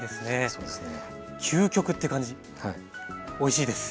そうですね